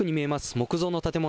木造の建物。